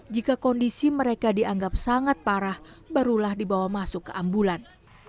jika kondisi mereka dianggap sangat parah barulah dibawa masuk ke ambulan